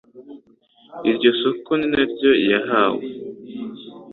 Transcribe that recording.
iryo soko ni na yo yahawe